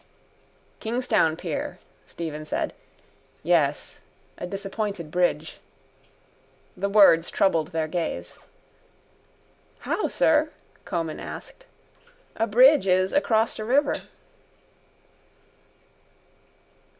—Kingstown pier, Stephen said. Yes, a disappointed bridge. The words troubled their gaze. —How, sir? Comyn asked. A bridge is across a river.